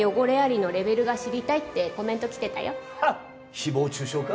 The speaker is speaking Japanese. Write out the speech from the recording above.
誹謗中傷か？